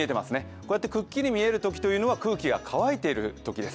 こうやってくっきり見えるときは空気が乾いているときです。